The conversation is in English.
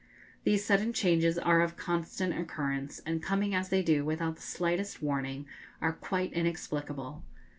These sudden changes are of constant occurrence, and, coming as they do without the slightest warning, are quite inexplicable.